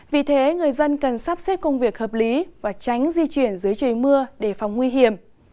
vì thế người dân cần sắp xếp công việc hợp lý và tránh di chuyển dưới trời mưa để phòng nguy hiểm